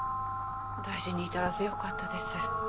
大事に至らず良かったです。